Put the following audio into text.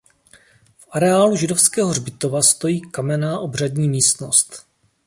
V areálu židovského hřbitova stojí kamenná obřadní místnost.